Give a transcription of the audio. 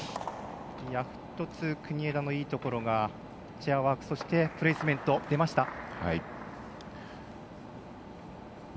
国枝のいいところがチェアワークそして、プレースメント出ました。